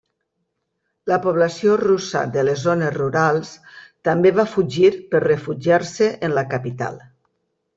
La població russa de les zones rurals també va fugir per refugiar-se en la capital.